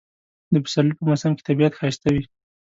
د پسرلی په موسم کې طبیعت ښایسته وي